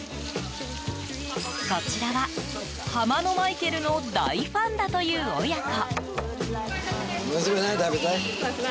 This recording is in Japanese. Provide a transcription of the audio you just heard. こちらはハマのマイケルの大ファンだという親子。